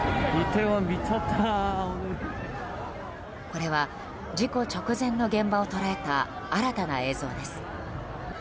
これは事故直前の現場を捉えた新たな映像です。